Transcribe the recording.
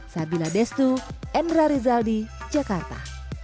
sabila destu endra rizaldi jakarta